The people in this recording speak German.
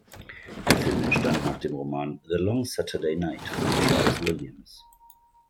Der Film entstand nach dem Roman "The Long Saturday Night" von Charles Williams.